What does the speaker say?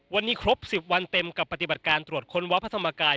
วันนี้ครบ๑๐วันเต็มกับปฏิบัติการตรวจค้นวัดพระธรรมกาย